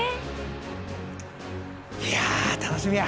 いや楽しみや。